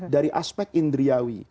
dari aspek indriyawi